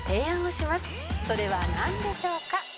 「それはなんでしょうか？」